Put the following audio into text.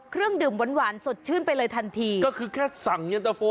เครื่องดื่มหวานหวานสดชื่นไปเลยทันทีก็คือแค่สั่งเย็นตะโฟ